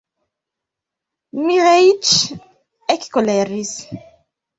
Miĥeiĉ ekkoleris.